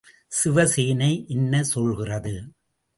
சிவசேனை என்ன சொல்கிறது?